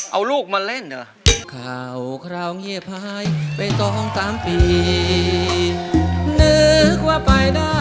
เอาลูกมาเล่นดีกว่า